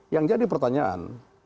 yang jadi pertanyaan